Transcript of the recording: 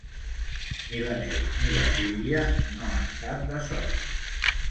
Ni la Neus ni la Sílvia no estan de sort.